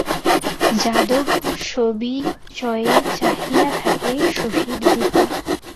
যাদব সবিয়য়ে চাহিয়া থাকে শশীর দিকে।